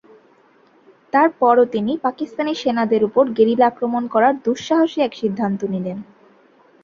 তার পরও তিনি পাকিস্তানি সেনাদের ওপর গেরিলা আক্রমণ করার দুঃসাহসী এক সিদ্ধান্ত নিলেন।